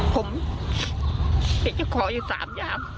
ผมจะขออย่างสามอย่าง